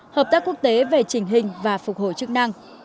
hợp tác quốc tế về trình hình và phục hồi chức năng